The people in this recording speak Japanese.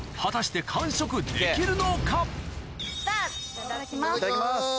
いただきます。